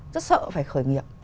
rất sợ phải khởi nghiệp